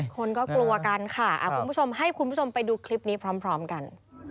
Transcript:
คนก็กลัวกันค่ะคุณผู้ชมให้คุณผู้ชมไปดูคลิปนี้พร้อมกัน